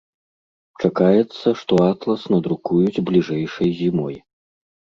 Чакаецца, што атлас надрукуюць бліжэйшай зімой.